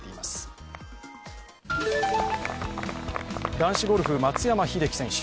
男子ゴルフの松山英樹選手